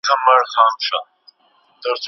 لیسانس، ماسټري او دوکتورا رسمي لارې دي.